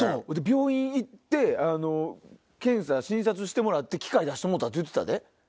病院行って検査診察してもらって機械出してもろうた言ってたで。